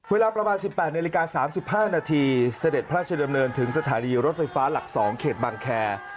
เวลาประมาณ๑๘นาฬิกา๓๕นาทีเสด็จพระราชดำเนินถึงสถานีรถไฟฟ้าหลัก๒เขตบางแคร์